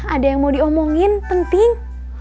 ada yang mau diomongin penting